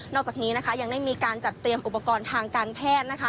อกจากนี้นะคะยังได้มีการจัดเตรียมอุปกรณ์ทางการแพทย์นะคะ